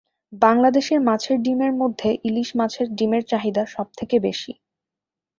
বাংলাদেশে মাছের ডিমের মধ্যে ইলিশ মাছের ডিমের চাহিদা সব থেকে বেশি।